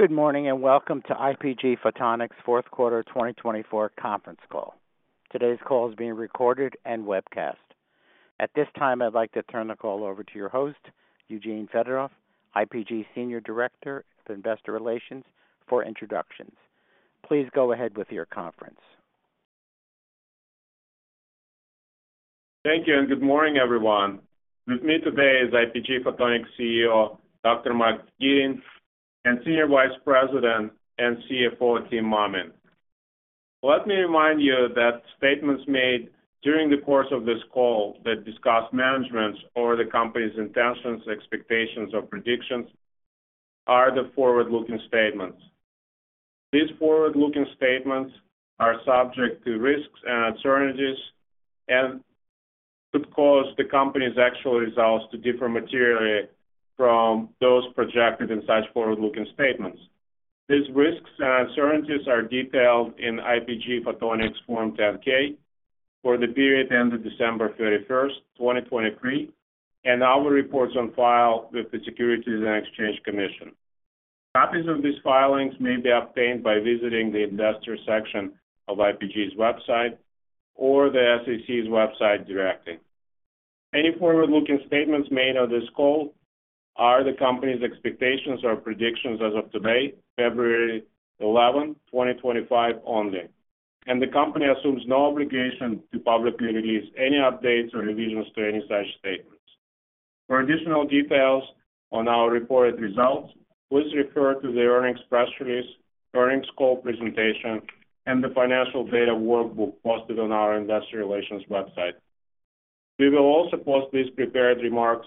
Good morning and welcome to IPG Photonics Q4 2024 Conference Call. Today's call is being recorded and webcast. At this time, I'd like to turn the call over to your host, Eugene Fedotoff, IPG Senior Director of Investor Relations, for introductions. Please go ahead with your conference. Thank you and good morning, everyone. With me today is IPG Photonics CEO, Dr. Mark Gitin, and Senior Vice President and CFO, Tim Mammen. Let me remind you that statements made during the course of this call that discuss management or the company's intentions, expectations, or predictions are the forward-looking statements. These forward-looking statements are subject to risks and uncertainties and could cause the company's actual results to differ materially from those projected in such forward-looking statements. These risks and uncertainties are detailed in IPG Photonics Form 10-K for the period ended December 31, 2023, and our reports on file with the Securities and Exchange Commission. Copies of these filings may be obtained by visiting the Investor section of IPG's website or the SEC's website directly. Any forward-looking statements made on this call are the company's expectations or predictions as of today, February 11, 2025, only, and the company assumes no obligation to publicly release any updates or revisions to any such statements. For additional details on our reported results, please refer to the earnings press release, earnings call presentation, and the financial data workbook posted on our Investor Relations website. We will also post these prepared remarks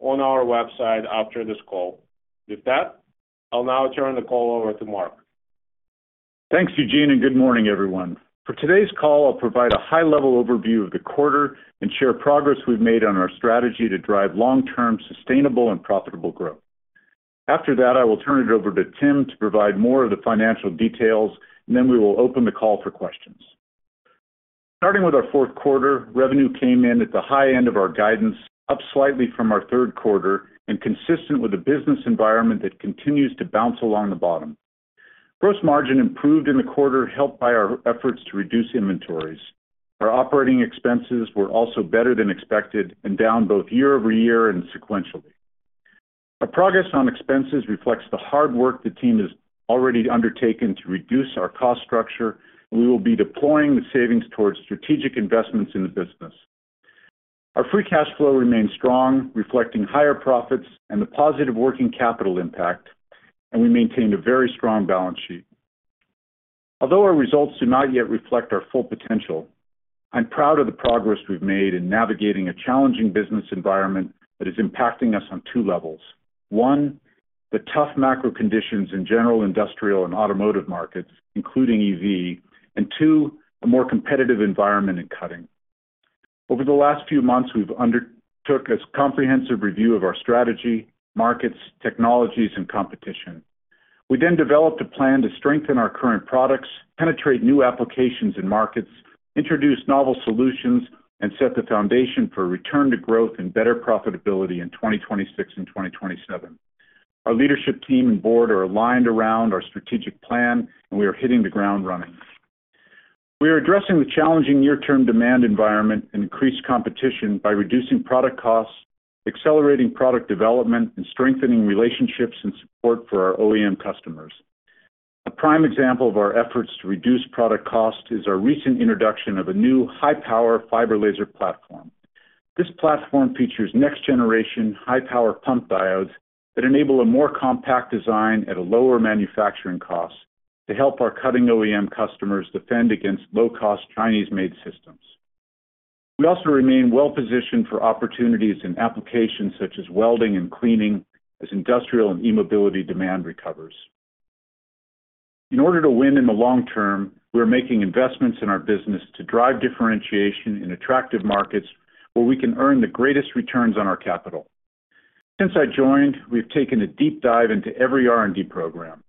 on our website after this call. With that, I'll now turn the call over to Mark. Thanks, Eugene, and good morning, everyone. For today's call, I'll provide a high-level overview of the quarter and share progress we've made on our strategy to drive long-term, sustainable, and profitable growth. After that, I will turn it over to Tim to provide more of the financial details, and then we will open the call for questions. Starting with our Q4, revenue came in at the high end of our guidance, up slightly from our Q3, and consistent with a business environment that continues to bounce along the bottom. Gross margin improved in the quarter, helped by our efforts to reduce inventories. Our operating expenses were also better than expected and down both year-over-year and sequentially. Our progress on expenses reflects the hard work the team has already undertaken to reduce our cost structure, and we will be deploying the savings towards strategic investments in the business. Our free cash flow remains strong, reflecting higher profits and the positive working capital impact, and we maintain a very strong balance sheet. Although our results do not yet reflect our full potential, I'm proud of the progress we've made in navigating a challenging business environment that is impacting us on two levels: one, the tough macro conditions in general industrial and automotive markets, including EV; and two, a more competitive environment in cutting. Over the last few months, we've undertook a comprehensive review of our strategy, markets, technologies, and competition. We then developed a plan to strengthen our current products, penetrate new applications and markets, introduce novel solutions, and set the foundation for return to growth and better profitability in 2026 and 2027. Our leadership team and board are aligned around our strategic plan, and we are hitting the ground running. We are addressing the challenging near-term demand environment and increased competition by reducing product costs, accelerating product development, and strengthening relationships and support for our OEM customers. A prime example of our efforts to reduce product costs is our recent introduction of a new high-power fiber laser platform. This platform features next-generation high-power pump diodes that enable a more compact design at a lower manufacturing cost to help our cutting OEM customers defend against low-cost Chinese-made systems. We also remain well-positioned for opportunities in applications such as welding and cleaning as industrial and e-mobility demand recovers. In order to win in the long term, we are making investments in our business to drive differentiation in attractive markets where we can earn the greatest returns on our capital. Since I joined, we've taken a deep dive into every R&D program.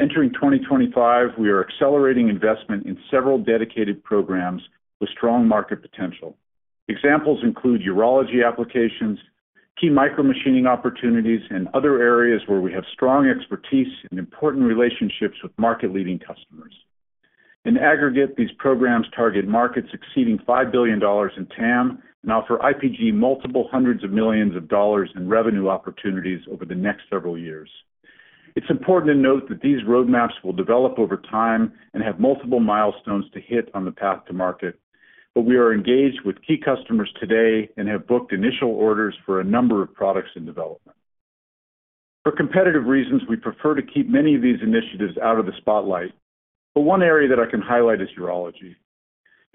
Entering 2025, we are accelerating investment in several dedicated programs with strong market potential. Examples include urology applications, key micromachining opportunities, and other areas where we have strong expertise and important relationships with market-leading customers. In aggregate, these programs target markets exceeding $5 billion in TAM and offer IPG multiple hundreds of millions of dollars in revenue opportunities over the next several years. It's important to note that these roadmaps will develop over time and have multiple milestones to hit on the path to market, but we are engaged with key customers today and have booked initial orders for a number of products in development. For competitive reasons, we prefer to keep many of these initiatives out of the spotlight, but one area that I can highlight is urology.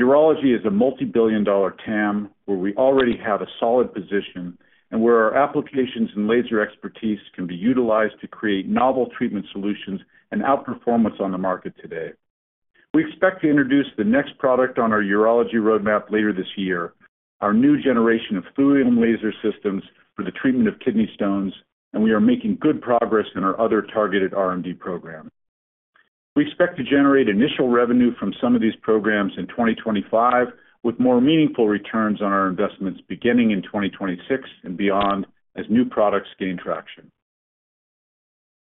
Urology is a multi-billion-dollar TAM where we already have a solid position and where our applications and laser expertise can be utilized to create novel treatment solutions and outperform what's on the market today. We expect to introduce the next product on our urology roadmap later this year, our new generation of thulium laser systems for the treatment of kidney stones, and we are making good progress in our other targeted R&D program. We expect to generate initial revenue from some of these programs in 2025, with more meaningful returns on our investments beginning in 2026 and beyond as new products gain traction.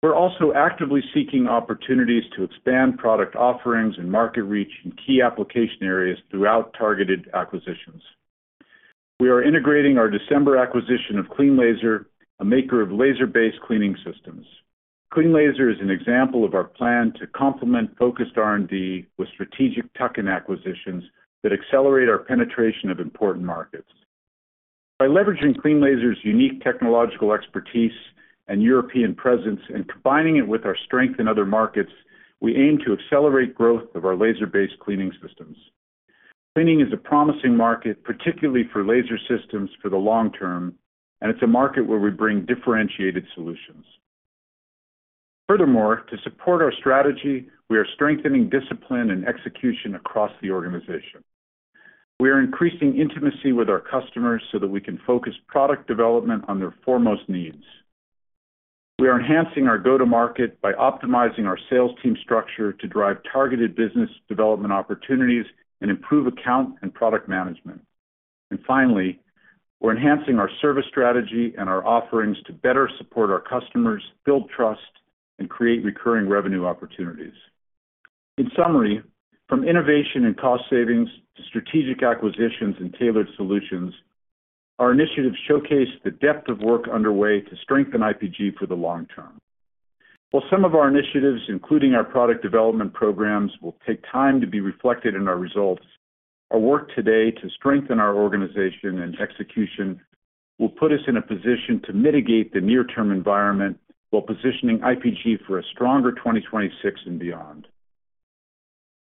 We're also actively seeking opportunities to expand product offerings and market reach in key application areas throughout targeted acquisitions. We are integrating our December acquisition of CleanLASER, a maker of laser-based cleaning systems. CleanLASER is an example of our plan to complement focused R&D with strategic tuck-in acquisitions that accelerate our penetration of important markets. By leveraging CleanLASER's unique technological expertise and European presence and combining it with our strength in other markets, we aim to accelerate growth of our laser-based cleaning systems. Cleaning is a promising market, particularly for laser systems for the long term, and it's a market where we bring differentiated solutions. Furthermore, to support our strategy, we are strengthening discipline and execution across the organization. We are increasing intimacy with our customers so that we can focus product development on their foremost needs. We are enhancing our go-to-market by optimizing our sales team structure to drive targeted business development opportunities and improve account and product management. And finally, we're enhancing our service strategy and our offerings to better support our customers, build trust, and create recurring revenue opportunities. In summary, from innovation and cost savings to strategic acquisitions and tailored solutions, our initiatives showcase the depth of work underway to strengthen IPG for the long term. While some of our initiatives, including our product development programs, will take time to be reflected in our results, our work today to strengthen our organization and execution will put us in a position to mitigate the near-term environment while positioning IPG for a stronger 2026 and beyond.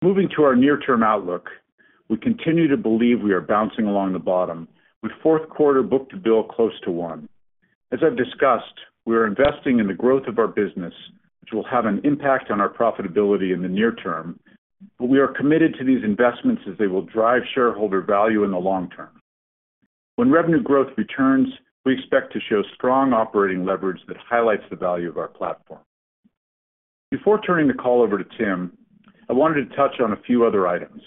Moving to our near-term outlook, we continue to believe we are bouncing along the bottom, with Q4 book-to-bill close to one. As I've discussed, we are investing in the growth of our business, which will have an impact on our profitability in the near term, but we are committed to these investments as they will drive shareholder value in the long term. When revenue growth returns, we expect to show strong operating leverage that highlights the value of our platform. Before turning the call over to Tim, I wanted to touch on a few other items.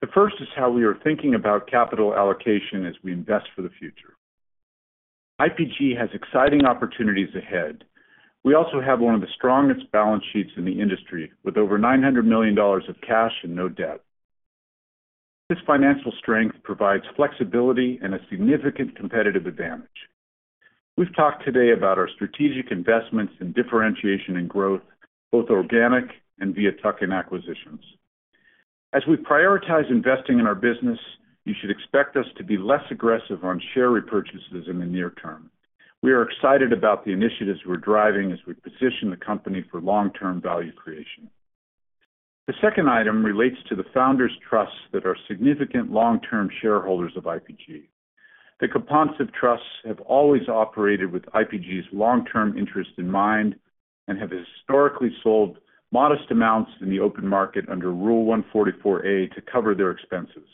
The first is how we are thinking about capital allocation as we invest for the future. IPG has exciting opportunities ahead. We also have one of the strongest balance sheets in the industry, with over $900 million of cash and no debt. This financial strength provides flexibility and a significant competitive advantage. We've talked today about our strategic investments and differentiation and growth, both organic and via tuck-in acquisitions. As we prioritize investing in our business, you should expect us to be less aggressive on share repurchases in the near term. We are excited about the initiatives we're driving as we position the company for long-term value creation. The second item relates to the founders' trusts that are significant long-term shareholders of IPG. The Gapontsev Trusts have always operated with IPG's long-term interest in mind and have historically sold modest amounts in the open market under Rule 144A to cover their expenses.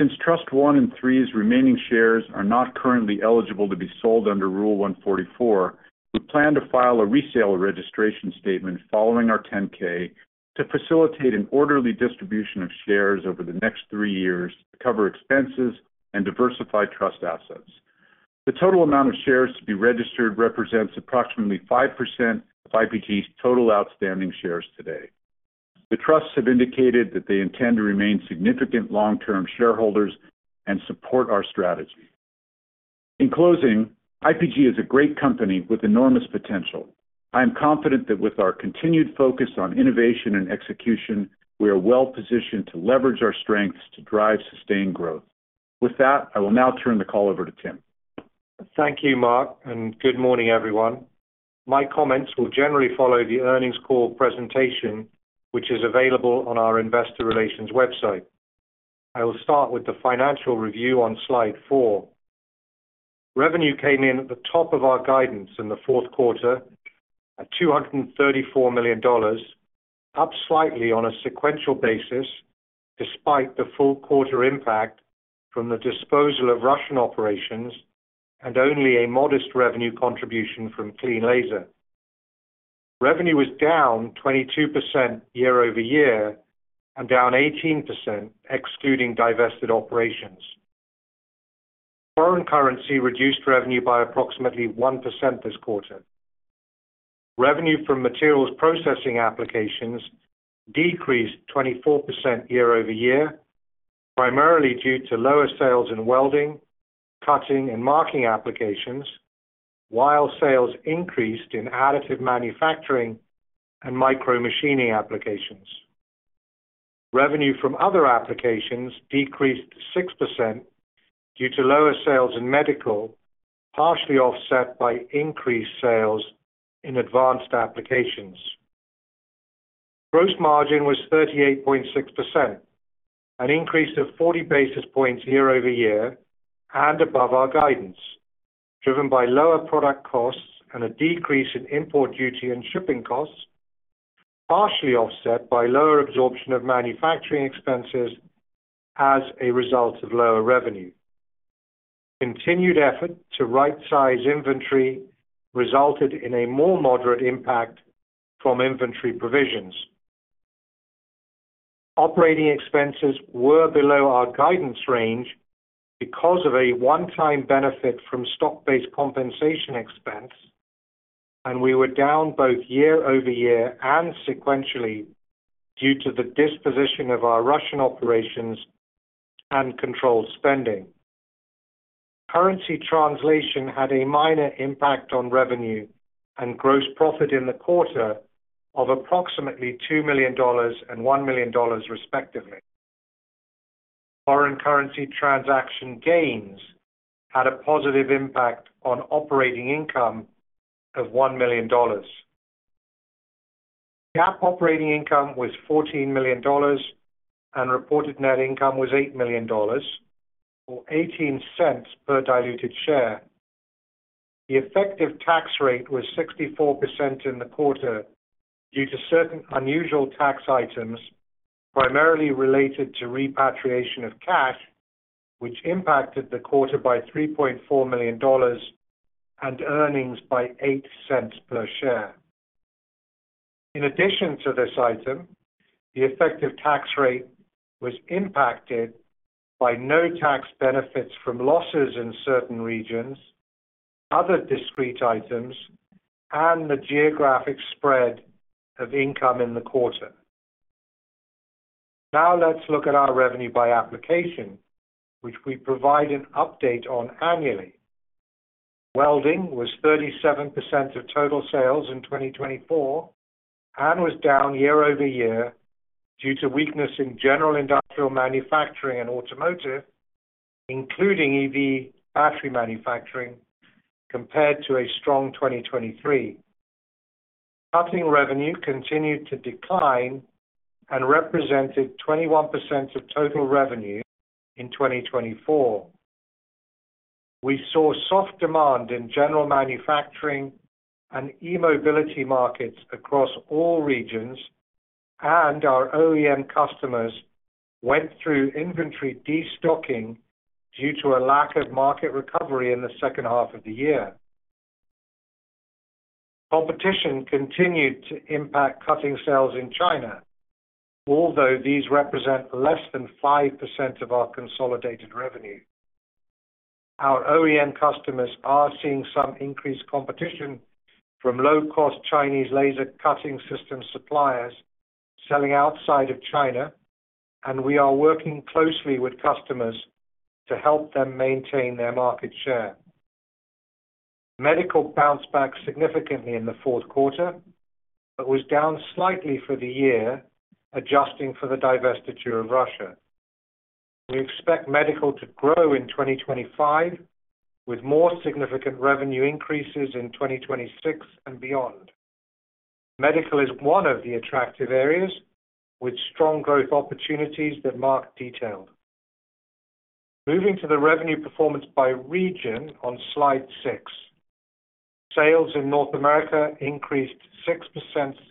Since Trust I and III remaining shares are not currently eligible to be sold under Rule 144, we plan to file a resale registration statement following our 10-K to facilitate an orderly distribution of shares over the next three years to cover expenses and diversify trust assets. The total amount of shares to be registered represents approximately 5% of IPG's total outstanding shares today. The trusts have indicated that they intend to remain significant long-term shareholders and support our strategy. In closing, IPG is a great company with enormous potential. I am confident that with our continued focus on innovation and execution, we are well-positioned to leverage our strengths to drive sustained growth. With that, I will now turn the call over to Tim. Thank you, Mark, and good morning, everyone. My comments will generally follow the earnings call presentation, which is available on our Investor Relations website. I will start with the financial review on slide four. Revenue came in at the top of our guidance in the Q4 at $234 million, up slightly on a sequential basis despite the full quarter impact from the disposal of Russian operations and only a modest revenue contribution from CleanLASER. Revenue was down 22% year-over-year and down 18%, excluding divested operations. Foreign currency reduced revenue by approximately 1% this quarter. Revenue from materials processing applications decreased 24% year- over-year, primarily due to lower sales in welding, cutting, and marking applications, while sales increased in additive manufacturing and micromachining applications. Revenue from other applications decreased 6% due to lower sales in medical, partially offset by increased sales in advanced applications. Gross margin was 38.6%, an increase of 40 basis points year-over-year and above our guidance, driven by lower product costs and a decrease in import duty and shipping costs, partially offset by lower absorption of manufacturing expenses as a result of lower revenue. Continued effort to right-size inventory resulted in a more moderate impact from inventory provisions. Operating expenses were below our guidance range because of a one-time benefit from stock-based compensation expense, and we were down both year-over-year and sequentially due to the disposition of our Russian operations and controlled spending. Currency translation had a minor impact on revenue and gross profit in the quarter of approximately $2 million and $1 million, respectively. Foreign currency transaction gains had a positive impact on operating income of $1 million. GAAP operating income was $14 million and reported net income was $8 million, or $0.18 per diluted share. The effective tax rate was 64% in the quarter due to certain unusual tax items, primarily related to repatriation of cash, which impacted the quarter by $3.4 million and earnings by $0.08 per share. In addition to this item, the effective tax rate was impacted by no tax benefits from losses in certain regions, other discrete items, and the geographic spread of income in the quarter. Now let's look at our revenue by application, which we provide an update on annually. Welding was 37% of total sales in 2024 and was down year-over-year due to weakness in general industrial manufacturing and automotive, including EV battery manufacturing, compared to a strong 2023. Cutting revenue continued to decline and represented 21% of total revenue in 2024. We saw soft demand in general manufacturing and e-mobility markets across all regions, and our OEM customers went through inventory destocking due to a lack of market recovery in the second half of the year. Competition continued to impact cutting sales in China, although these represent less than 5% of our consolidated revenue. Our OEM customers are seeing some increased competition from low-cost Chinese laser cutting system suppliers selling outside of China, and we are working closely with customers to help them maintain their market share. Medical bounced back significantly in the Q4 but was down slightly for the year, adjusting for the divestiture of Russia. We expect medical to grow in 2025, with more significant revenue increases in 2026 and beyond. Medical is one of the attractive areas, with strong growth opportunities that Mark detailed. Moving to the revenue performance by region on slide six. Sales in North America increased 6%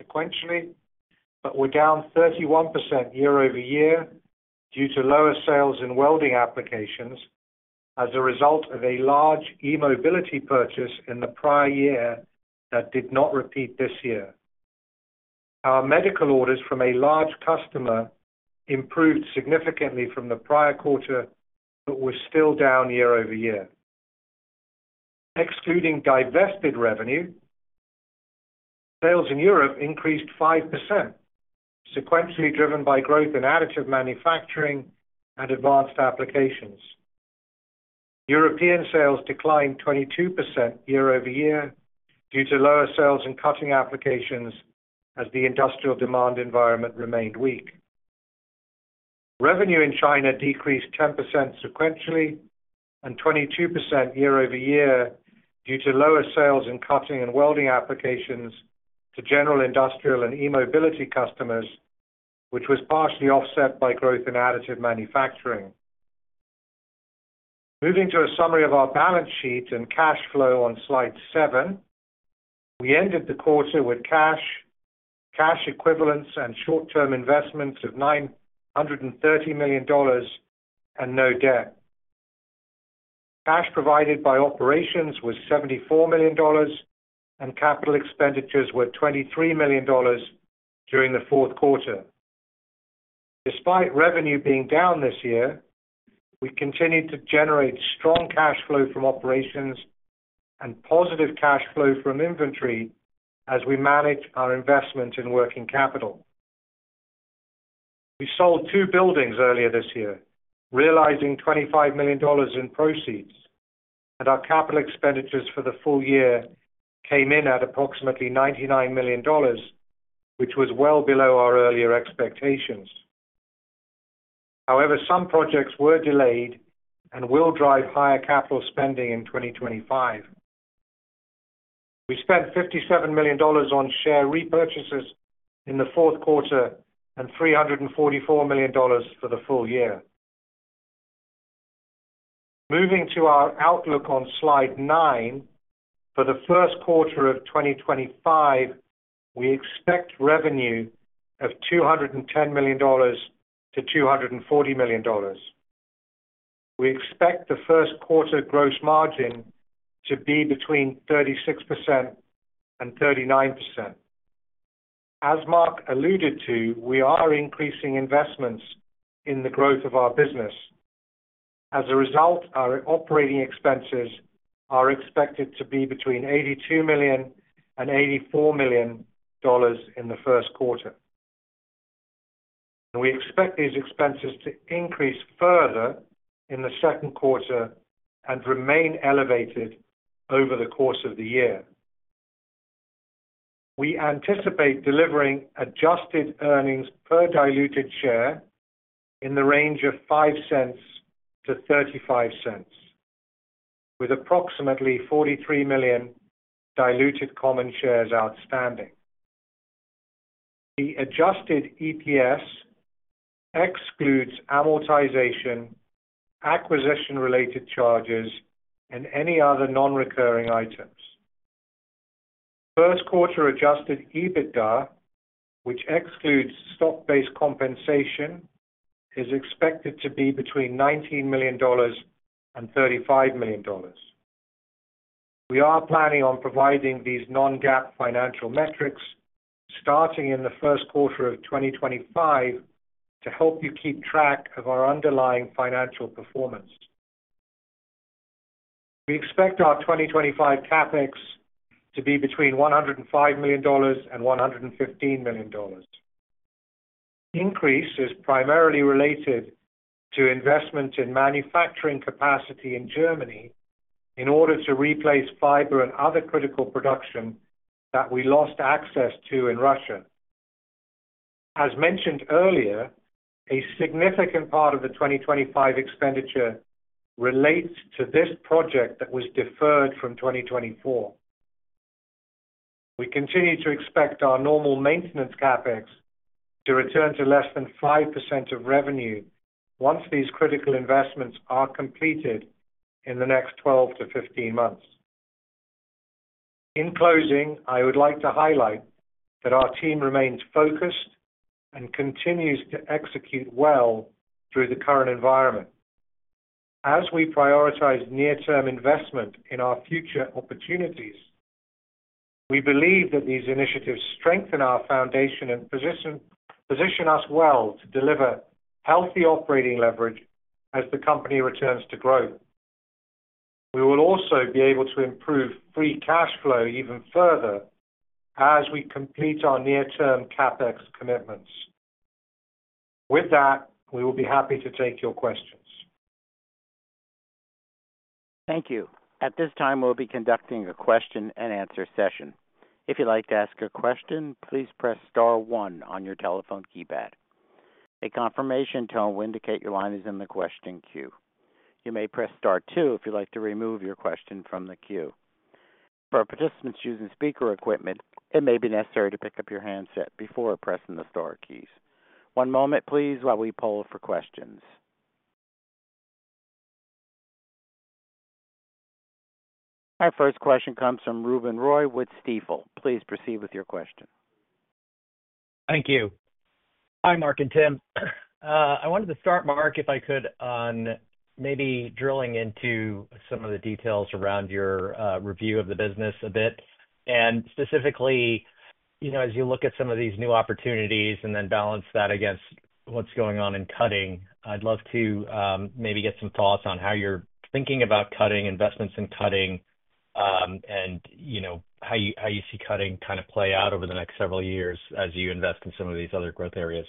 sequentially but were down 31% year-over-year due to lower sales in welding applications as a result of a large e-mobility purchase in the prior year that did not repeat this year. Our medical orders from a large customer improved significantly from the prior quarter but were still down year-over-year. Excluding divested revenue, sales in Europe increased 5%, sequentially driven by growth in additive manufacturing and advanced applications. European sales declined 22% year-over-year due to lower sales in cutting applications as the industrial demand environment remained weak. Revenue in China decreased 10% sequentially and 22% year-over-year due to lower sales in cutting and welding applications to general industrial and e-mobility customers, which was partially offset by growth in additive manufacturing. Moving to a summary of our balance sheet and cash flow on slide seven, we ended the quarter with cash, cash equivalents, and short-term investments of $930 million and no debt. Cash provided by operations was $74 million, and capital expenditures were $23 million during the Q4. Despite revenue being down this year, we continued to generate strong cash flow from operations and positive cash flow from inventory as we managed our investment in working capital. We sold two buildings earlier this year, realizing $25 million in proceeds, and our capital expenditures for the full year came in at approximately $99 million, which was well below our earlier expectations. However, some projects were delayed and will drive higher capital spending in 2025. We spent $57 million on share repurchases in the Q4 and $344 million for the full year. Moving to our outlook on slide nine, for the Q1 of 2025, we expect revenue of $210 million-$240 million. We expect the Q1 gross margin to be between 36%-39%. As Mark alluded to, we are increasing investments in the growth of our business. As a result, our operating expenses are expected to be between $82 million-$84 million in the Q1. We expect these expenses to increase further in the Q2 and remain elevated over the course of the year. We anticipate delivering adjusted earnings per diluted share in the range of $0.05-$0.35, with approximately 43 million diluted common shares outstanding. The adjusted EPS excludes amortization, acquisition-related charges, and any other non-recurring items. Q1 adjusted EBITDA, which excludes stock-based compensation, is expected to be between $19 million-$35 million. We are planning on providing these non-GAAP financial metrics starting in the Q1 of 2025 to help you keep track of our underlying financial performance. We expect our 2025 CapEx to be between $105 million and $115 million. The increase is primarily related to investment in manufacturing capacity in Germany in order to replace fiber and other critical production that we lost access to in Russia. As mentioned earlier, a significant part of the 2025 expenditure relates to this project that was deferred from 2024. We continue to expect our normal maintenance CapEx to return to less than 5% of revenue once these critical investments are completed in the next 12 to 15 months. In closing, I would like to highlight that our team remains focused and continues to execute well through the current environment. As we prioritize near-term investment in our future opportunities, we believe that these initiatives strengthen our foundation and position us well to deliver healthy operating leverage as the company returns to growth. We will also be able to improve free cash flow even further as we complete our near-term CapEx commitments. With that, we will be happy to take your questions. Thank you. At this time, we'll be conducting a question-and-answer session. If you'd like to ask a question, please press Star 1 on your telephone keypad. A confirmation tone will indicate your line is in the question queue. You may press Star 2 if you'd like to remove your question from the queue. For participants using speaker equipment, it may be necessary to pick up your handset before pressing the Star keys. One moment, please, while we poll for questions. Our first question comes from Ruben Roy with Stifel. Please proceed with your question. Thank you. Hi, Mark and Tim. I wanted to start, Mark, if I could, on maybe drilling into some of the details around your review of the business a bit. And specifically, as you look at some of these new opportunities and then balance that against what's going on in cutting, I'd love to maybe get some thoughts on how you're thinking about cutting, investments in cutting, and how you see cutting kind of play out over the next several years as you invest in some of these other growth areas.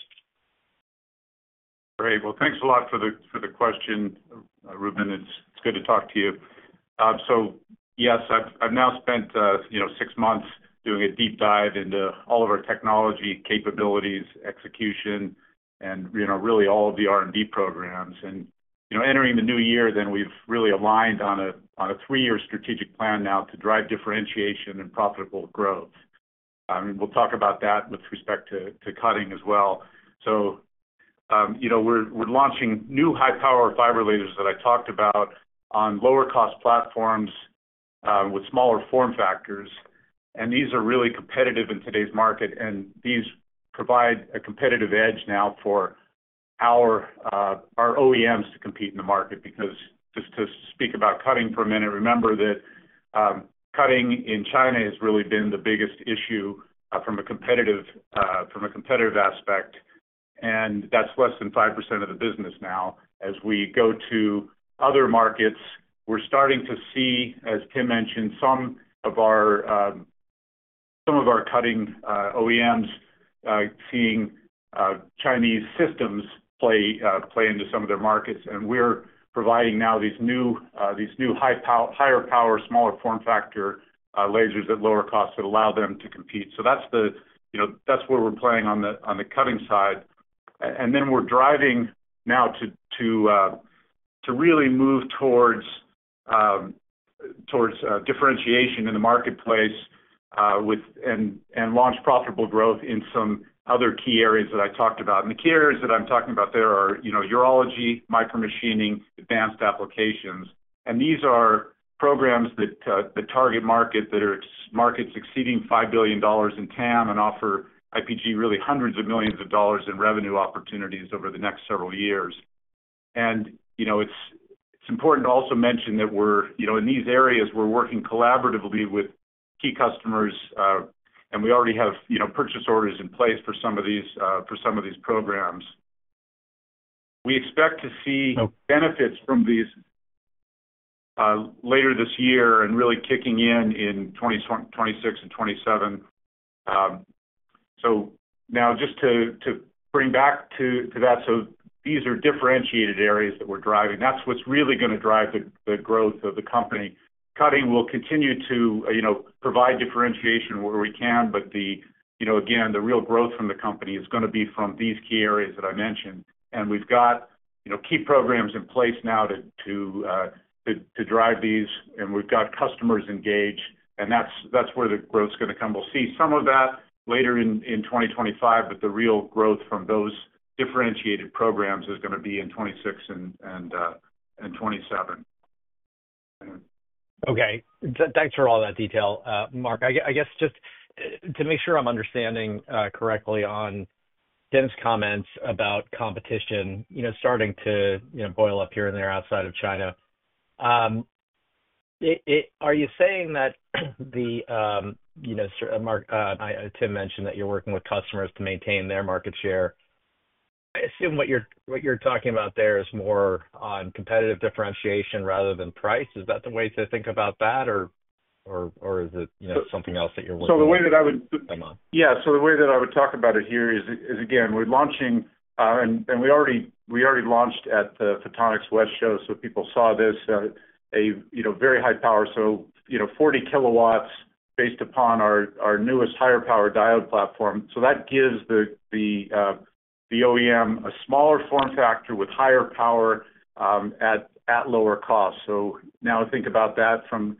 Great. Well, thanks a lot for the question, Ruben. It's good to talk to you. So yes, I've now spent six months doing a deep dive into all of our technology capabilities, execution, and really all of the R&D programs. And entering the new year, then we've really aligned on a three-year strategic plan now to drive differentiation and profitable growth. We'll talk about that with respect to cutting as well. So we're launching new high-power fiber lasers that I talked about on lower-cost platforms with smaller form factors. And these are really competitive in today's market, and these provide a competitive edge now for our OEMs to compete in the market. Because just to speak about cutting for a minute, remember that cutting in China has really been the biggest issue from a competitive aspect, and that's less than 5% of the business now. As we go to other markets, we're starting to see, as Tim mentioned, some of our cutting OEMs seeing Chinese systems play into some of their markets. And we're providing now these new higher-power, smaller form factor lasers at lower costs that allow them to compete. So that's where we're playing on the cutting side. And then we're driving now to really move towards differentiation in the marketplace and launch profitable growth in some other key areas that I talked about. And the key areas that I'm talking about there are urology, micromachining, advanced applications. And these are programs that target markets exceeding $5 billion in TAM and offer IPG really hundreds of millions of dollars in revenue opportunities over the next several years. It's important to also mention that in these areas, we're working collaboratively with key customers, and we already have purchase orders in place for some of these programs. We expect to see benefits from these later this year and really kicking in in 2026 and 2027. Now, just to bring back to that, so these are differentiated areas that we're driving. That's what's really going to drive the growth of the company. Cutting will continue to provide differentiation where we can, but again, the real growth from the company is going to be from these key areas that I mentioned. We've got key programs in place now to drive these, and we've got customers engaged, and that's where the growth's going to come. We'll see some of that later in 2025, but the real growth from those differentiated programs is going to be in 2026 and 2027. Okay. Thanks for all that detail, Mark. I guess just to make sure I'm understanding correctly on Tim's comments about competition starting to boil up here and there outside of China, are you saying that, Mark? Tim mentioned that you're working with customers to maintain their market share. I assume what you're talking about there is more on competitive differentiation rather than price. Is that the way to think about that, or is it something else that you're working on? The way that I would. Come on. Yeah. So the way that I would talk about it here is, again, we're launching, and we already launched at the Photonics West show, so people saw this, a very high power. So 40 kilowatts based upon our newest higher-power diode platform. So that gives the OEM a smaller form factor with higher power at lower cost. So now think about that from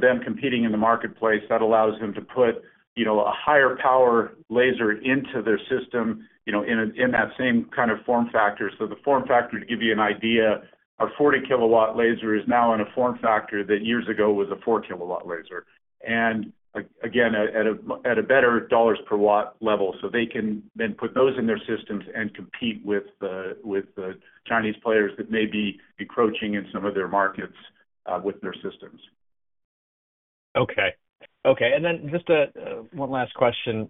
them competing in the marketplace. That allows them to put a higher power laser into their system in that same kind of form factor. So the form factor, to give you an idea, our 40-kilowatt laser is now on a form factor that years ago was a 4-kilowatt laser. And again, at a better dollars-per-watt level. So they can then put those in their systems and compete with the Chinese players that may be encroaching in some of their markets with their systems. Okay. Okay. And then just one last question.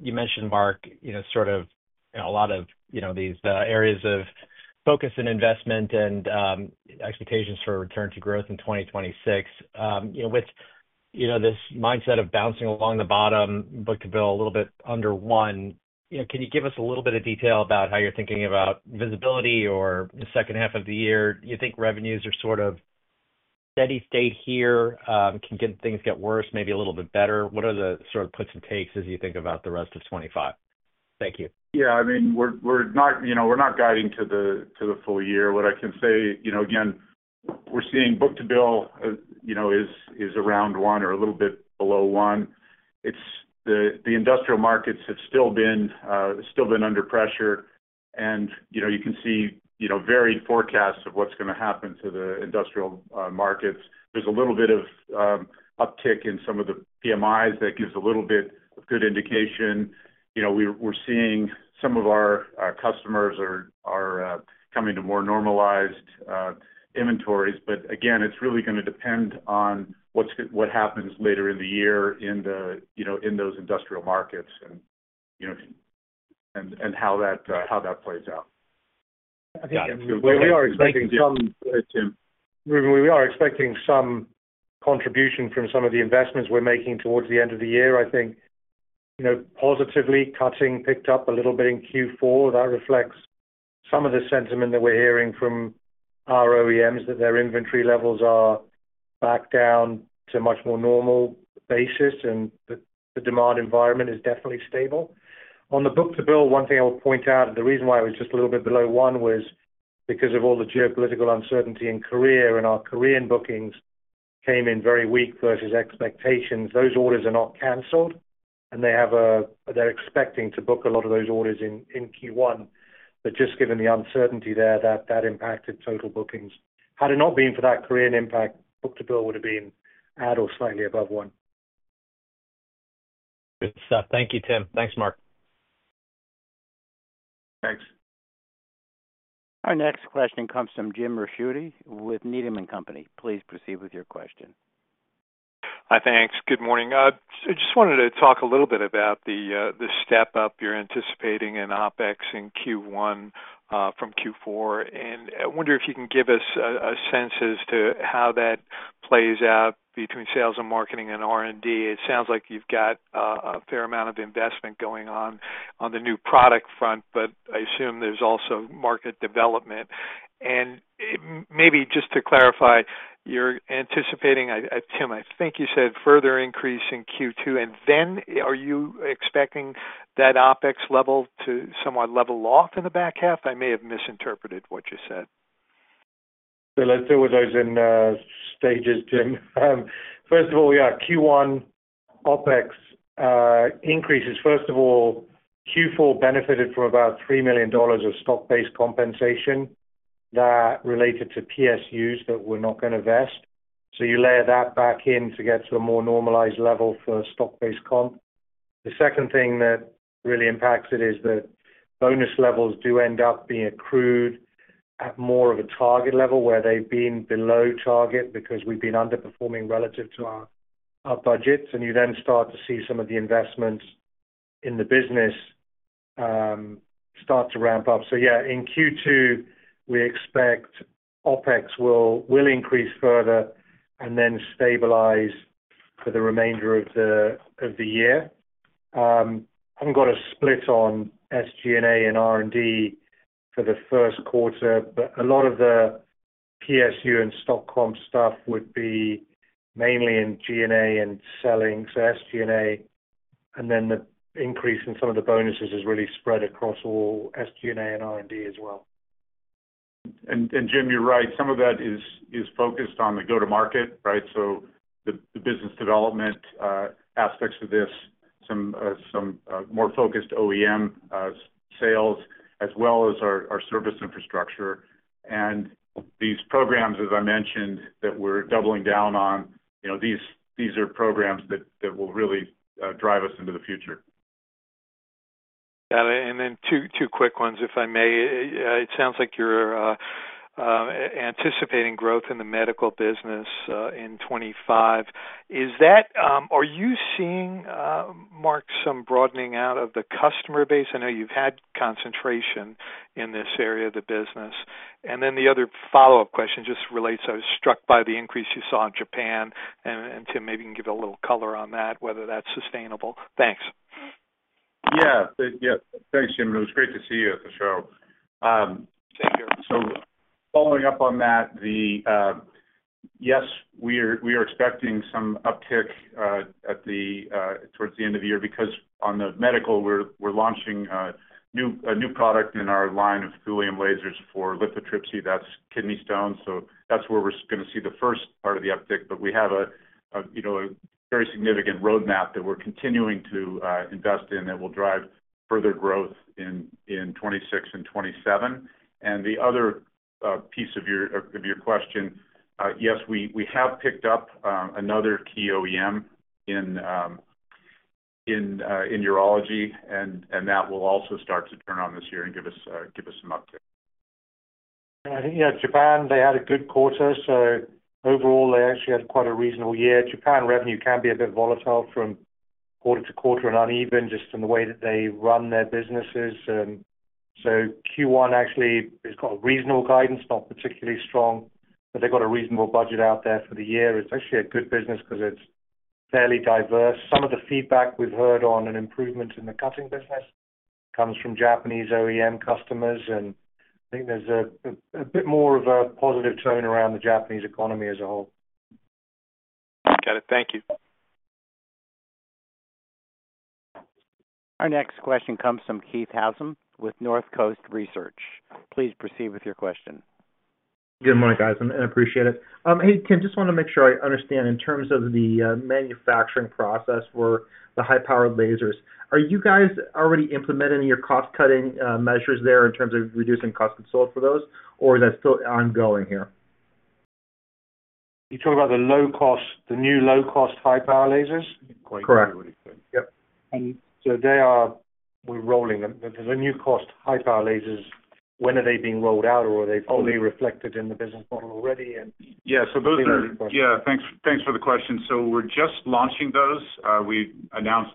You mentioned, Mark, sort of a lot of these areas of focus and investment and expectations for return to growth in 2026. With this mindset of bouncing along the bottom, book-to-bill a little bit under one, can you give us a little bit of detail about how you're thinking about visibility or the second half of the year? You think revenues are sort of steady state here? Can things get worse, maybe a little bit better? What are the sort of puts and takes as you think about the rest of 2025? Thank you. Yeah. I mean, we're not guiding to the full year. What I can say, again, we're seeing book-to-bill is around one or a little bit below one. The industrial markets have still been under pressure, and you can see varied forecasts of what's going to happen to the industrial markets. There's a little bit of uptick in some of the PMIs that gives a little bit of good indication. We're seeing some of our customers are coming to more normalized inventories, but again, it's really going to depend on what happens later in the year in those industrial markets and how that plays out. Absolutely. We are expecting some contribution from some of the investments we're making towards the end of the year. I think positively, cutting picked up a little bit in Q4. That reflects some of the sentiment that we're hearing from our OEMs that their inventory levels are back down to a much more normal basis, and the demand environment is definitely stable. On the book-to-bill, one thing I will point out, the reason why it was just a little bit below one was because of all the geopolitical uncertainty in Korea, and our Korean bookings came in very weak versus expectations. Those orders are not canceled, and they're expecting to book a lot of those orders in Q1. But just given the uncertainty there, that impacted total bookings. Had it not been for that Korean impact, book-to-bill would have been at or slightly above one. Good stuff. Thank you, Tim. Thanks, Mark. Thanks. Our next question comes from Jim Ricchiuti with Needham & Company. Please proceed with your question. Hi, thanks. Good morning. I just wanted to talk a little bit about the step-up you're anticipating in OpEx in Q1 from Q4. And I wonder if you can give us a sense as to how that plays out between sales and marketing and R&D. It sounds like you've got a fair amount of investment going on on the new product front, but I assume there's also market development. And maybe just to clarify, you're anticipating, Tim, I think you said further increase in Q2, and then are you expecting that OpEx level to somewhat level off in the back half? I may have misinterpreted what you said. So let's do it as in stages, Tim. First of all, yeah, Q1 OpEx increases. First of all, Q4 benefited from about $3 million of stock-based compensation that related to PSUs that were not going to vest. So you layer that back in to get to a more normalized level for stock-based comp. The second thing that really impacts it is that bonus levels do end up being accrued at more of a target level where they've been below target because we've been underperforming relative to our budgets. And you then start to see some of the investments in the business start to ramp up. So yeah, in Q2, we expect OpEx will increase further and then stabilize for the remainder of the year. I haven't got a split on SG&A and R&D for the Q1, but a lot of the PSU and stock comp stuff would be mainly in G&A and selling. So SG&A and then the increase in some of the bonuses is really spread across all SG&A and R&D as well. And Jim, you're right. Some of that is focused on the go-to-market, right? So the business development aspects of this, some more focused OEM sales as well as our service infrastructure. And these programs, as I mentioned, that we're doubling down on, these are programs that will really drive us into the future. Got it. And then two quick ones, if I may. It sounds like you're anticipating growth in the medical business in 2025. Are you seeing, Mark, some broadening out of the customer base? I know you've had concentration in this area of the business. And then the other follow-up question just relates. I was struck by the increase you saw in Japan. And Tim, maybe you can give a little color on that, whether that's sustainable. Thanks. Yeah. Thanks, Jim. It was great to see you at the show. Thank you. So following up on that, yes, we are expecting some uptick towards the end of the year because on the medical, we're launching a new product in our line of thulium lasers for lithotripsy. That's kidney stones. So that's where we're going to see the first part of the uptick. But we have a very significant roadmap that we're continuing to invest in that will drive further growth in 2026 and 2027. And the other piece of your question, yes, we have picked up another key OEM in urology, and that will also start to turn on this year and give us some uptick. Yeah. Japan, they had a good quarter. So overall, they actually had quite a reasonable year. Japan revenue can be a bit volatile from quarter to quarter and uneven just in the way that they run their businesses. Q1 actually has got reasonable guidance, not particularly strong, but they've got a reasonable budget out there for the year. It's actually a good business because it's fairly diverse. Some of the feedback we've heard on an improvement in the cutting business comes from Japanese OEM customers. I think there's a bit more of a positive tone around the Japanese economy as a whole. Got it. Thank you. Our next question comes from Keith Housum with North Coast Research. Please proceed with your question. Good morning, guys. I appreciate it. Hey, Tim, just want to make sure I understand. In terms of the manufacturing process for the high-powered lasers, are you guys already implementing your cost-cutting measures there in terms of reducing costs as well for those, or is that still ongoing here? You're talking about the new low-cost high-power lasers? Correct. Yep. So we're rolling them. The new cost high-power lasers, when are they being rolled out, or are they fully reflected in the business model already, and yeah, so those are the questions. Yeah. Thanks for the question. So we're just launching those. We announced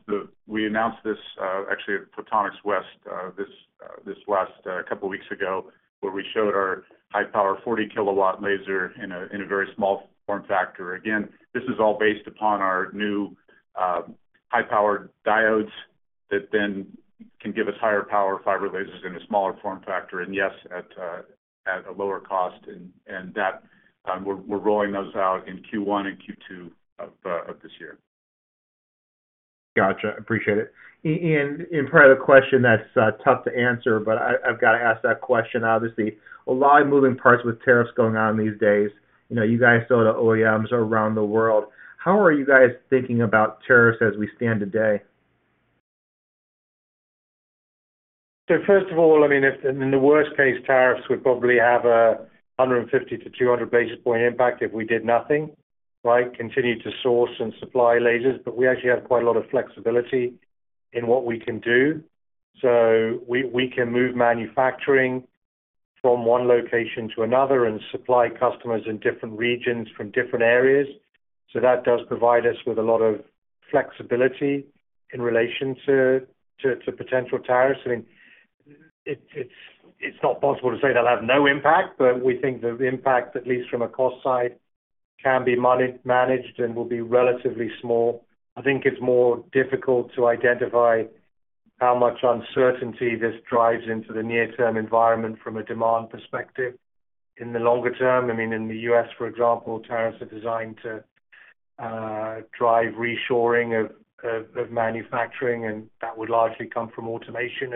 this actually at Photonics West this last couple of weeks ago where we showed our high-power 40-kilowatt laser in a very small form factor. Again, this is all based upon our new high-powered diodes that then can give us higher power fiber lasers in a smaller form factor, and yes, at a lower cost. And we're rolling those out in Q1 and Q2 of this year. Gotcha. Appreciate it. And prior to the question, that's tough to answer, but I've got to ask that question. Obviously, a lot of moving parts with tariffs going on these days. You guys sold to OEMs around the world. How are you guys thinking about tariffs as we stand today? So first of all, I mean, in the worst case, tariffs would probably have a 150-200 basis points impact if we did nothing, right? Continue to source and supply lasers. But we actually have quite a lot of flexibility in what we can do. So we can move manufacturing from one location to another and supply customers in different regions from different areas. So that does provide us with a lot of flexibility in relation to potential tariffs. I mean, it's not possible to say they'll have no impact, but we think the impact, at least from a cost side, can be managed and will be relatively small. I think it's more difficult to identify how much uncertainty this drives into the near-term environment from a demand perspective. In the longer term, I mean, in the U.S., for example, tariffs are designed to drive reshoring of manufacturing, and that would largely come from automation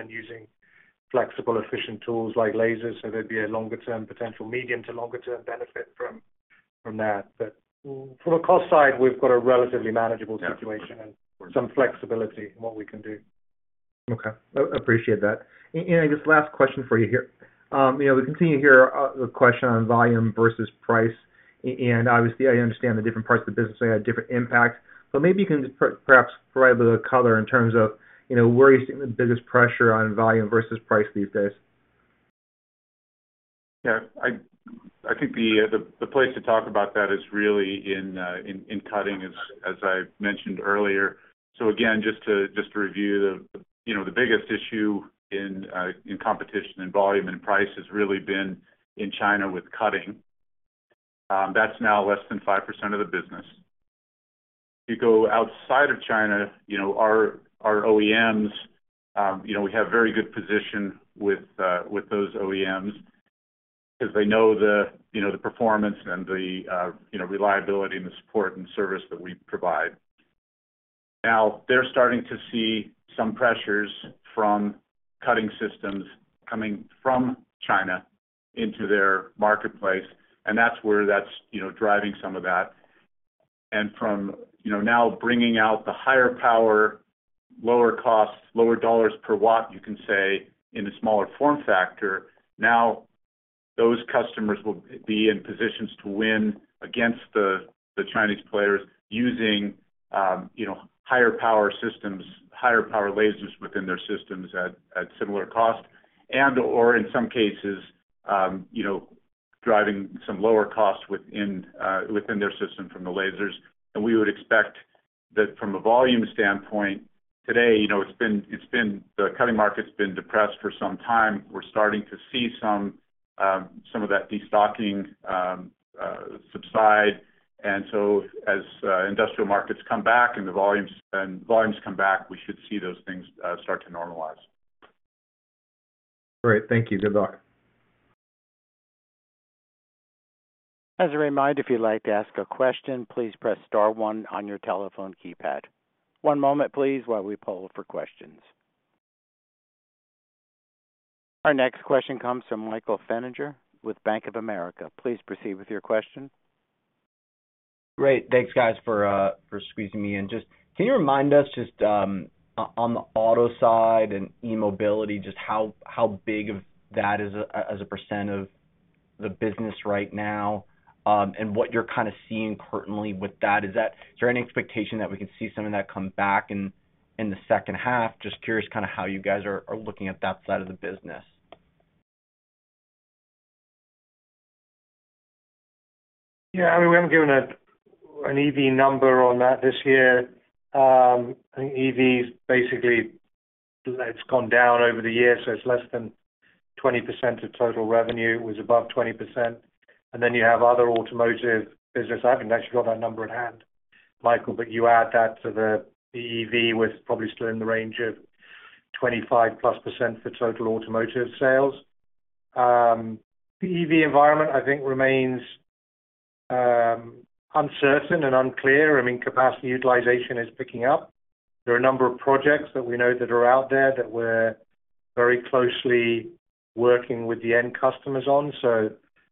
and using flexible, efficient tools like lasers. So there'd be a longer-term potential medium to longer-term benefit from that. But from a cost side, we've got a relatively manageable situation and some flexibility in what we can do. Okay. Appreciate that. And I guess last question for you here. We continue here the question on volume versus price. And obviously, I understand the different parts of the business may have different impacts. But maybe you can perhaps provide a little color in terms of where you're seeing the biggest pressure on volume versus price these days. Yeah. I think the place to talk about that is really in cutting, as I mentioned earlier. So again, just to review, the biggest issue in competition and volume and price has really been in China with cutting. That's now less than 5% of the business. If you go outside of China, our OEMs, we have very good position with those OEMs because they know the performance and the reliability and the support and service that we provide. Now, they're starting to see some pressures from cutting systems coming from China into their marketplace, and that's where that's driving some of that. And from now bringing out the higher power, lower cost, lower dollars per watt, you can say, in a smaller form factor, now those customers will be in positions to win against the Chinese players using higher power systems, higher power lasers within their systems at similar cost, and/or in some cases, driving some lower cost within their system from the lasers. And we would expect that from a volume standpoint, today, it's been the cutting market's depressed for some time. We're starting to see some of that destocking subside. And so as industrial markets come back and the volumes come back, we should see those things start to normalize. Great. Thank you. Good luck. As a reminder, if you'd like to ask a question, please press star one on your telephone keypad. One moment, please, while we pull for questions. Our next question comes from Michael Feniger with Bank of America. Please proceed with your question. Great. Thanks, guys, for squeezing me in. Just can you remind us just on the auto side and e-mobility, just how big of that is as a percent of the business right now and what you're kind of seeing currently with that? Is there any expectation that we can see some of that come back in the second half? Just curious kind of how you guys are looking at that side of the business. Yeah. I mean, we haven't given an EV number on that this year. I think EVs basically have gone down over the year, so it's less than 20% of total revenue. It was above 20%. And then you have other automotive business. I haven't actually got that number in hand, Michael, but you add that to the EV, we're probably still in the range of 25-plus% for total automotive sales. The EV environment, I think, remains uncertain and unclear. I mean, capacity utilization is picking up. There are a number of projects that we know that are out there that we're very closely working with the end customers on.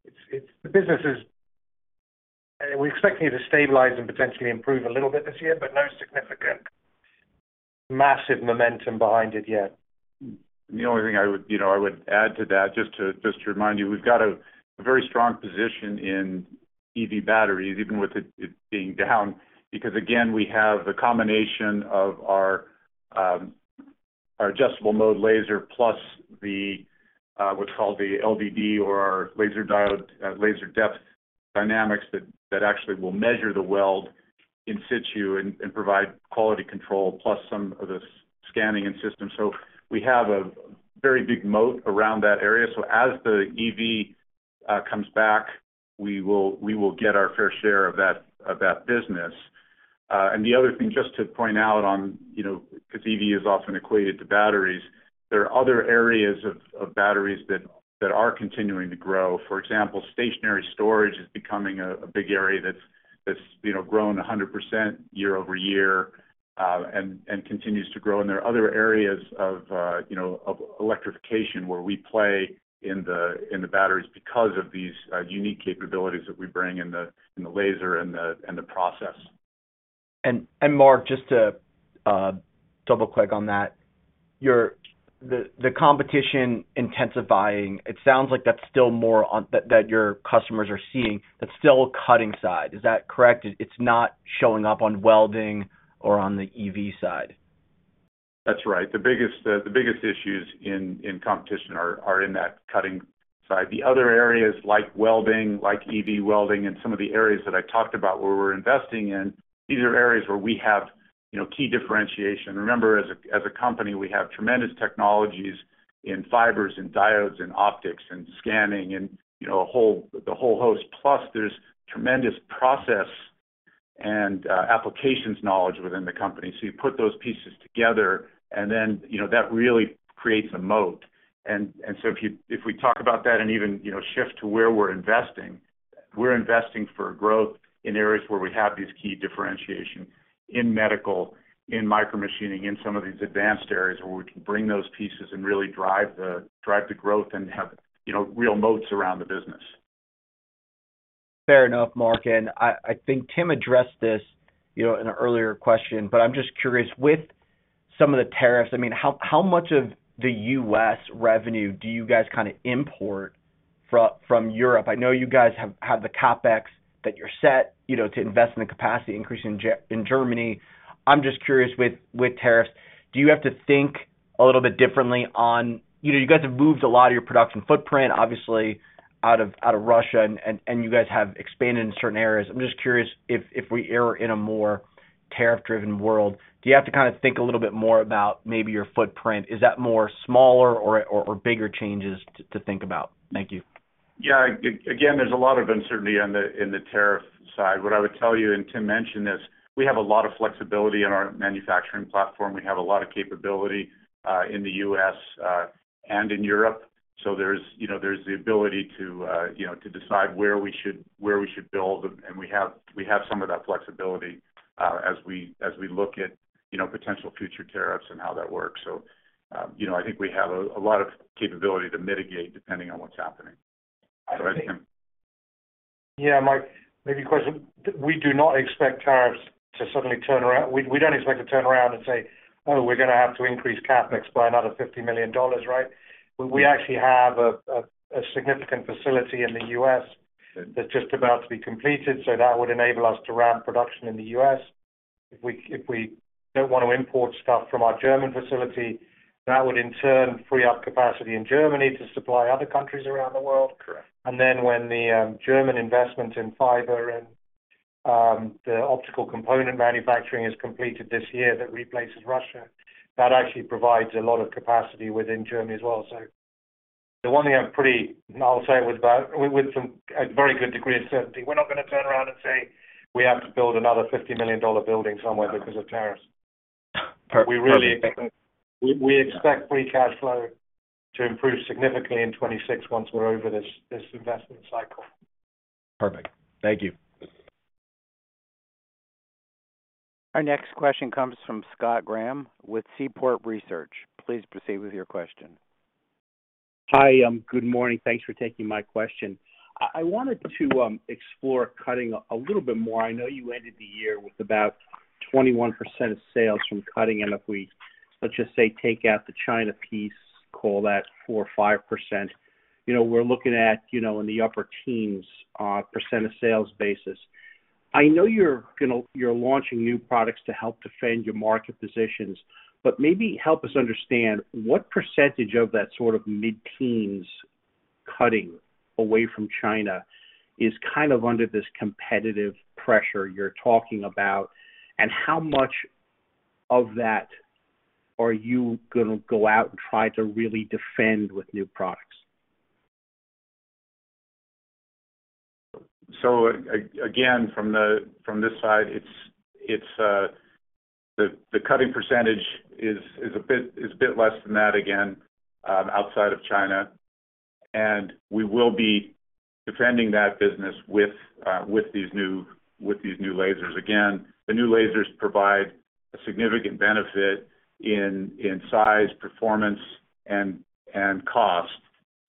So the business is we're expecting it to stabilize and potentially improve a little bit this year, but no significant massive momentum behind it yet. The only thing I would add to that, just to remind you, we've got a very strong position in EV batteries, even with it being down, because again, we have the combination of our Adjustable Mode Laser plus what's called the LDD or our Laser Depth Dynamics that actually will measure the weld in-situ and provide quality control plus some of the scanning and system, so we have a very big moat around that area, so as the EV comes back, we will get our fair share of that business, and the other thing, just to point out on because EV is often equated to batteries, there are other areas of batteries that are continuing to grow. For example, stationary storage is becoming a big area that's grown 100% year-over-year and continues to grow. There are other areas of electrification where we play in the batteries because of these unique capabilities that we bring in the laser and the process. Mark, just to double-click on that, the competition intensifying, it sounds like that's still more that your customers are seeing. That's still cutting side. Is that correct? It's not showing up on welding or on the EV side. That's right. The biggest issues in competition are in that cutting side. The other areas like welding, like EV welding, and some of the areas that I talked about where we're investing in, these are areas where we have key differentiation. Remember, as a company, we have tremendous technologies in fibers and diodes and optics and scanning and the whole host. Plus, there's tremendous process and applications knowledge within the company. So you put those pieces together, and then that really creates a moat. And so if we talk about that and even shift to where we're investing, we're investing for growth in areas where we have these key differentiations in medical, in micromachining, in some of these advanced areas where we can bring those pieces and really drive the growth and have real moats around the business. Fair enough, Mark. And I think Tim addressed this in an earlier question, but I'm just curious, with some of the tariffs, I mean, how much of the U.S. revenue do you guys kind of import from Europe? I know you guys have the CapEx that you're set to invest in the capacity increase in Germany. I'm just curious, with tariffs, do you have to think a little bit differently on you guys have moved a lot of your production footprint, obviously, out of Russia, and you guys have expanded in certain areas. I'm just curious if we are in a more tariff-driven world. Do you have to kind of think a little bit more about maybe your footprint? Is that more smaller or bigger changes to think about? Thank you. Yeah. Again, there's a lot of uncertainty on the tariff side. What I would tell you, and Tim mentioned this, we have a lot of flexibility in our manufacturing platform. We have a lot of capability in the U.S. and in Europe. So there's the ability to decide where we should build, and we have some of that flexibility as we look at potential future tariffs and how that works. So I think we have a lot of capability to mitigate depending on what's happening. Go ahead, Tim. Yeah, Mike, maybe a question. We do not expect tariffs to suddenly turn around. We don't expect to turn around and say, "Oh, we're going to have to increase CapEx by another $50 million," right? We actually have a significant facility in the U.S. that's just about to be completed, so that would enable us to ramp production in the U.S. If we don't want to import stuff from our German facility, that would in turn free up capacity in Germany to supply other countries around the world. And then when the German investment in fiber and the optical component manufacturing is completed this year that replaces Russia, that actually provides a lot of capacity within Germany as well. So the one thing I'm pretty I'll say it with a very good degree of certainty. We're not going to turn around and say, "We have to build another $50 million building somewhere because of tariffs." We expect free cash flow to improve significantly in 2026 once we're over this investment cycle. Perfect. Thank you. Our next question comes from Scott Graham with Seaport Research. Please proceed with your question. Hi, good morning. Thanks for taking my question. I wanted to explore cutting a little bit more. I know you ended the year with about 21% of sales from cutting, and if we let's just say take out the China piece, call that 4 or 5%. We're looking at in the upper teens% of sales basis. I know you're launching new products to help defend your market positions, but maybe help us understand what percentage of that sort of mid-teens cutting away from China is kind of under this competitive pressure you're talking about, and how much of that are you going to go out and try to really defend with new products? So again, from this side, the cutting percentage is a bit less than that again outside of China. And we will be defending that business with these new lasers. Again, the new lasers provide a significant benefit in size, performance, and cost.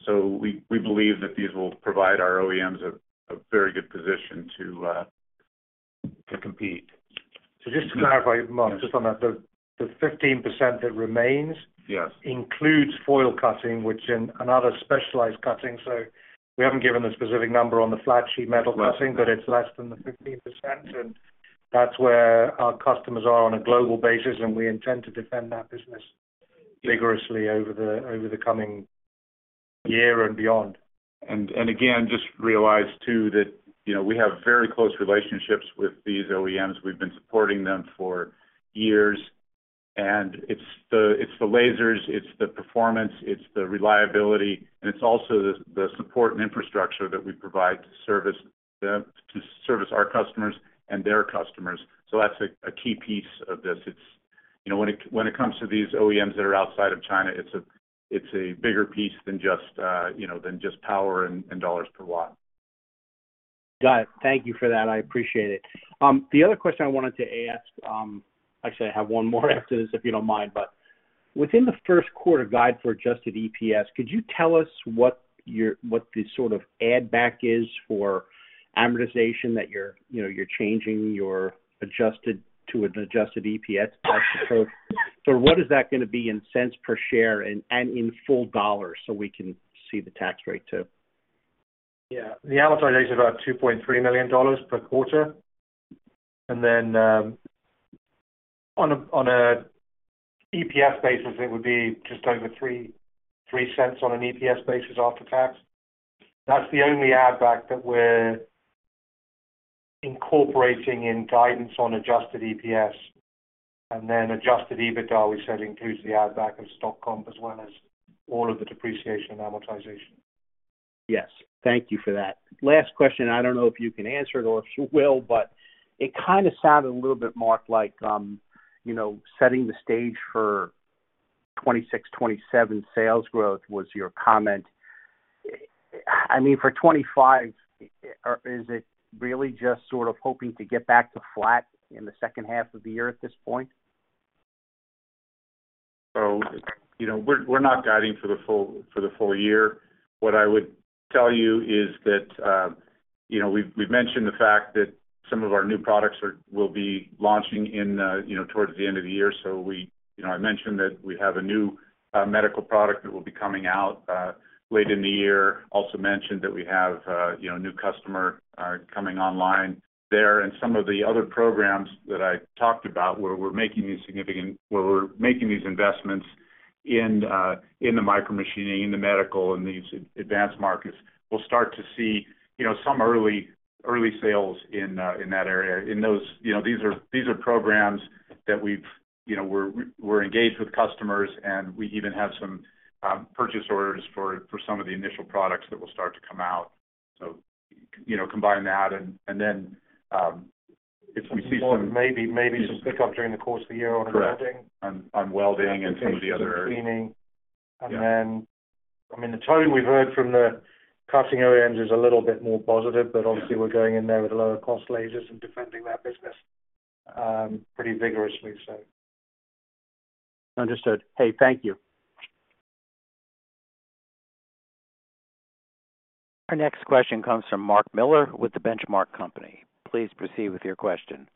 So we believe that these will provide our OEMs a very good position to compete. So just to clarify, Mark, just on that, the 15% that remains includes foil cutting, which is another specialized cutting. So we haven't given the specific number on the flat sheet metal cutting, but it's less than the 15%. And that's where our customers are on a global basis, and we intend to defend that business vigorously over the coming year and beyond. And again, just realize too that we have very close relationships with these OEMs. We've been supporting them for years. And it's the lasers, it's the performance, it's the reliability, and it's also the support and infrastructure that we provide to service our customers and their customers. So that's a key piece of this. When it comes to these OEMs that are outside of China, it's a bigger piece than just power and dollars per watt. Got it. Thank you for that. I appreciate it. The other question I wanted to ask, actually, I have one more after this, if you don't mind, but within the Q1 guide for adjusted EPS, could you tell us what the sort of add-back is for amortization that you're changing to an adjusted EPS tax approach? So what is that going to be in cents per share and in full dollars so we can see the tax rate too? Yeah. The amortization is about $2.3 million per quarter. And then on an EPS basis, it would be just over $0.03 on an EPS basis after tax. That's the only add-back that we're incorporating in guidance on adjusted EPS. And then adjusted EBITDA, we said, includes the add-back of stock comp as well as all of the depreciation and amortization. Yes. Thank you for that. Last question. I don't know if you can answer it or if you will, but it kind of sounded a little bit, Mark, like setting the stage for 2026, 2027 sales growth was your comment. I mean, for 2025, is it really just sort of hoping to get back to flat in the second half of the year at this point? We're not guiding for the full year. What I would tell you is that we've mentioned the fact that some of our new products will be launching towards the end of the year. I mentioned that we have a new medical product that will be coming out late in the year. Also mentioned that we have a new customer coming online there. And some of the other programs that I talked about where we're making these significant investments in the micromachining, in the medical, and these advanced markets, we'll start to see some early sales in that area. These are programs that we're engaged with customers, and we even have some purchase orders for some of the initial products that will start to come out. Combine that. And then if we see some. Maybe some pickup during the course of the year on welding. Correct. On welding and some of the other. And machining, cleaning. And then, I mean, the tone we've heard from the cutting OEMs is a little bit more positive, but obviously, we're going in there with lower-cost lasers and defending that business pretty vigorously, so. Understood. Hey, thank you. Our next question comes from Mark Miller with The Benchmark Company. Please proceed with your question.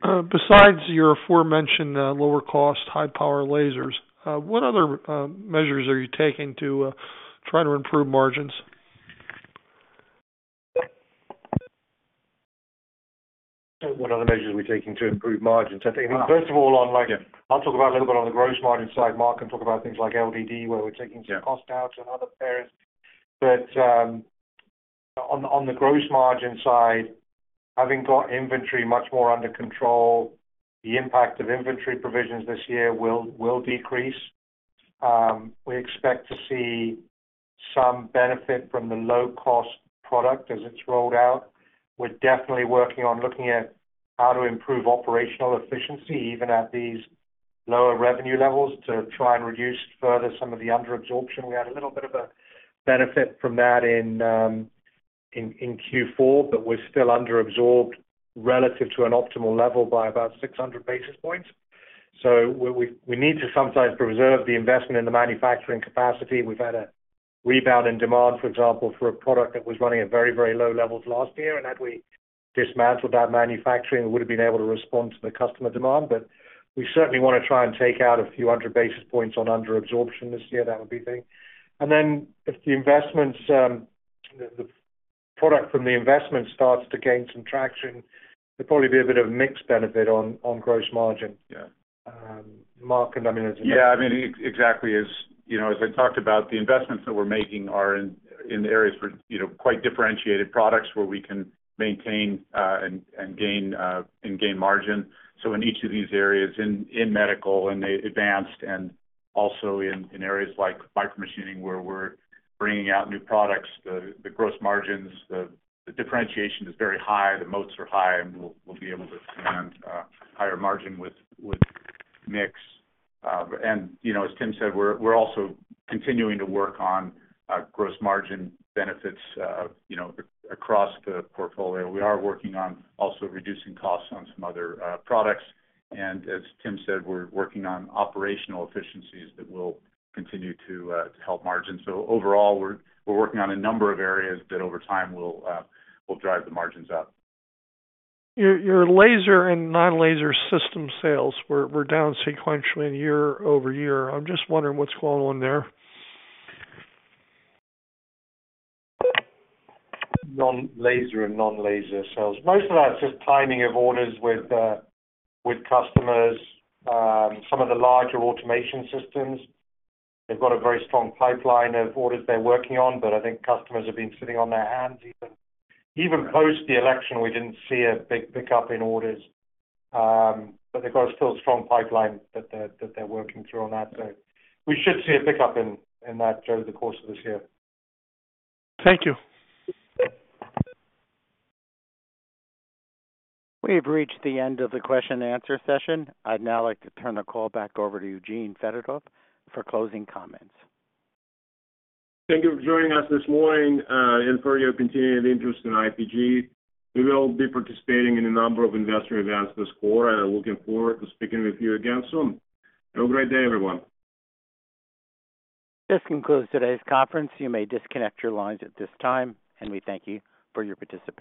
Besides your aforementioned lower-cost, high-power lasers, what other measures are you taking to try to improve margins? What other measures are we taking to improve margins? I think, first of all, I'll talk about a little bit on the gross margin side, Mark, and talk about things like LDD, where we're taking some costs out and other areas. But on the gross margin side, having got inventory much more under control, the impact of inventory provisions this year will decrease. We expect to see some benefit from the low-cost product as it's rolled out. We're definitely working on looking at how to improve operational efficiency, even at these lower revenue levels, to try and reduce further some of the underabsorption. We had a little bit of a benefit from that in Q4, but we're still underabsorbed relative to an optimal level by about 600 basis points. So we need to sometimes preserve the investment in the manufacturing capacity. We've had a rebound in demand, for example, for a product that was running at very, very low levels last year. And had we dismantled that manufacturing, we would have been able to respond to the customer demand. But we certainly want to try and take out a few hundred basis points on underabsorption this year. That would be a thing. And then if the investments, the product from the investments starts to gain some traction, there'll probably be a bit of mix benefit on gross margin. Mark, I mean, as a— Yeah, I mean, exactly. As I talked about, the investments that we're making are in areas for quite differentiated products where we can maintain and gain margin. So in each of these areas, in medical and advanced, and also in areas like micromachining where we're bringing out new products, the gross margins, the differentiation is very high. The moats are high, and we'll be able to demand higher margin with mix. And as Tim said, we're also continuing to work on gross margin benefits across the portfolio. We are working on also reducing costs on some other products. And as Tim said, we're working on operational efficiencies that will continue to help margins. So overall, we're working on a number of areas that over time will drive the margins up. Your laser and non-laser system sales were down sequentially year-over-year. I'm just wondering what's going on there? Laser and non-laser sales. Most of that's just timing of orders with customers. Some of the larger automation systems, they've got a very strong pipeline of orders they're working on, but I think customers have been sitting on their hands. Even post the election, we didn't see a big pickup in orders, but they've got a still strong pipeline that they're working through on that, so we should see a pickup in that over the course of this year. Thank you. We have reached the end of the question-and-answer session. I'd now like to turn the call back over to Eugene Fedotoff for closing comments. Thank you for joining us this morning and for your continued interest in IPG. We will be participating in a number of investor events this quarter, and I'm looking forward to speaking with you again soon. Have a great day, everyone. This concludes today's conference. You may disconnect your lines at this time, and we thank you for your participation.